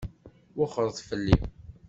Wexxṛet fell-i!